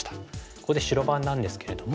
ここで白番なんですけれども。